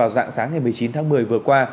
dạng sáng ngày một mươi chín tháng một mươi vừa qua